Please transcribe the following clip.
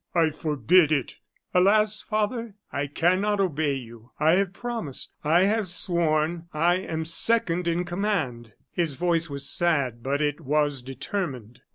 "I forbid it." "Alas! father, I cannot obey you. I have promised I have sworn. I am second in command." His voice was sad, but it was determined.